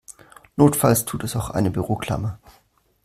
Notfalls tut es auch eine Büroklammer.